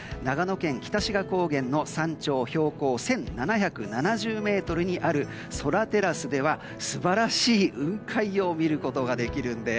県北志賀高原の山頂、標高１７７０ｍにあるＳＯＲＡｔｅｒｒａｃｅでは素晴らしい雲海を見ることができるんです。